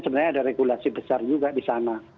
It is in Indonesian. sebenarnya ada regulasi besar juga di sana